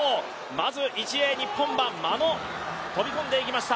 まず１泳日本は眞野、飛び込んでいきました。